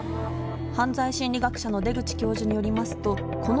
犯罪心理学者の出口教授によりますと。